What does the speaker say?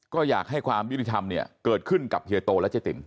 ก็อยากให้ความยุติธรรมเนี่ยเกิดขึ้นกับเฮียโตและเจ๊ติ๋ม